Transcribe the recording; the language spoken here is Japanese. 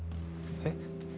えっ？